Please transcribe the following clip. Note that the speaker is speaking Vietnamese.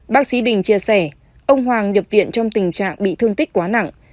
bác sĩ bình chia sẻ ông hoàng nhập viện trong tình trạng bị thương tích quá nặng